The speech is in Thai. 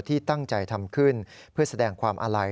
ที่ตั้งใจทำขึ้นเพื่อแสดงความอาลัย